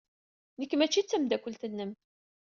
Nekk mačči d tameddakelt-nwen.